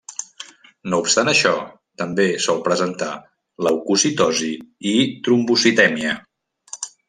No obstant això, també sol presentar leucocitosi i trombocitèmia.